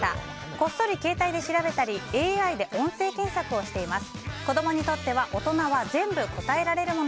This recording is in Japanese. こっそり携帯で調べたりＡＩで音声検索をしています。